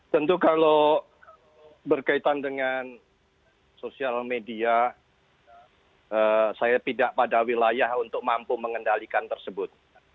tentu kalau berkaitan dengan sosial media saya tidak pada wilayah untuk mampu mengendalikan tersebut